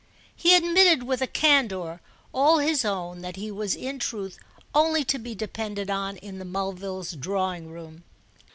He admitted with a candour all his own that he was in truth only to be depended on in the Mulvilles' drawing room.